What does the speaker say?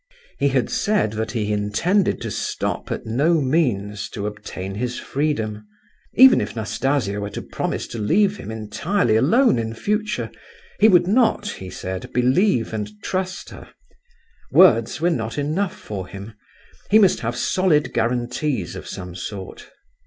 He had said that he intended to stop at no means to obtain his freedom; even if Nastasia were to promise to leave him entirely alone in future, he would not (he said) believe and trust her; words were not enough for him; he must have solid guarantees of some sort.